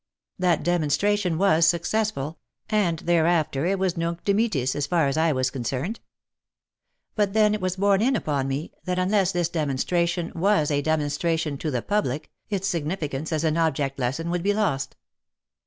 That demonstration was successful, and thereafter it was Nunc Dimittis as far as I was concerned. But then it was borne in upon me, that unless this demonstration was a demonstration to the Public its significance as an object lesson would be lost.